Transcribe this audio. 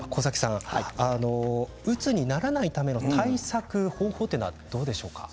うつにならないための対策方法はどうでしょうか？